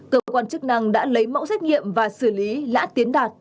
cơ quan chức năng đã lấy mẫu xét nghiệm và xử lý lã tiến đạt